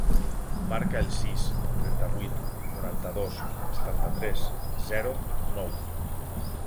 Marca el sis, trenta-vuit, noranta-dos, setanta-tres, zero, nou.